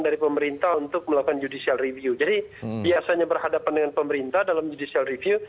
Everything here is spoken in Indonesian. dari pemerintah untuk melakukan judicial review jadi biasanya berhadapan dengan pemerintah dalam judicial review